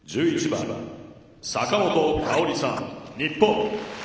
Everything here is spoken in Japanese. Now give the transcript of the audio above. １１番坂本花織さん、日本。